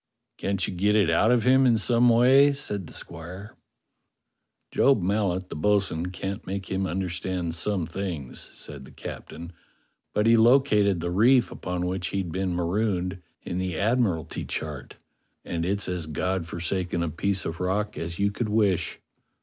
"Can't you get it out of him in some way?" said the squire. "Job Mallet, the bo'sun, can't make him understand some things," said the captain, "but he located the reef upon which he'd been marooned in the Admiralty chart, and it's as God forsaken a piece of rock as you could wish.